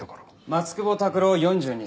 松久保拓郎４２歳。